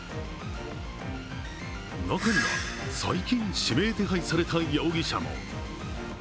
中には最近、指名手配された容疑者も。